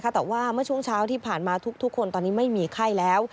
แต่ว่าเมื่อช่วงเช้าที่ผ่านมาทุกคนตอนนี้ไม่มีไข้แล้ว